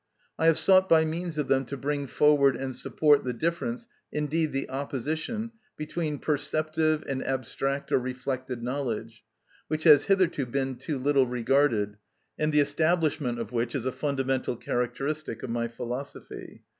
I have sought by means of them to bring forward and support the difference, indeed the opposition, between perceptive and abstract or reflected knowledge, which has hitherto been too little regarded, and the establishment of which is a fundamental characteristic of my philosophy.